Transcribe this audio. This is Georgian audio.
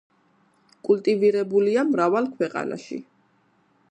კულტივირებულია მრავალ ქვეყანაში.